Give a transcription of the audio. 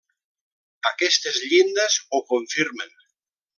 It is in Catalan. Aquestes llindes ho confirmen.